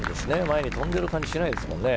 前に飛んでいる感じがしないですね。